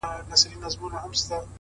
هره تجربه د راتلونکي لارښود ګرځي